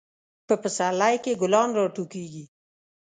په پسرلی کې ګلان راټوکیږي.